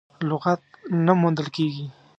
لغت نه موندل کېږي.